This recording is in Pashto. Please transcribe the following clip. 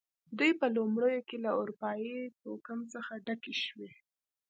دوی په لومړیو کې له اروپايي توکم څخه ډکې شوې.